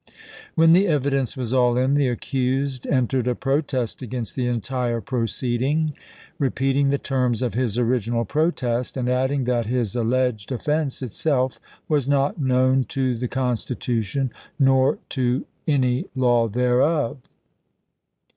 When the evidence was all in, the accused entered a protest against the entire pro 334 ABRAHAM LINCOLN chap. xii. ceeding, repeating the terms of his original protest, and adding that his alleged offense itself was not known to the Constitution nor to any law thereof.